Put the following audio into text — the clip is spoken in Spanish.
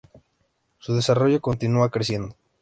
Su desarrollo continúa creciendo.